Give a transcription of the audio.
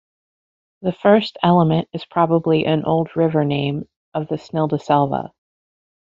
The first element is probably an old river name of the Snilldalselva.